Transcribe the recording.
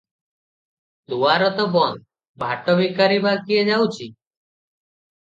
ଦୁଆର ତ ବନ୍ଦ, ଭାଟଭିକାରୀ ବା କିଏ ଯାଉଛି?